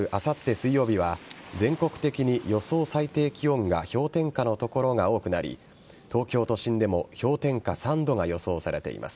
水曜日は、全国的に予想最低気温が氷点下の所が多くなり、東京都心でも氷点下３度が予想されています。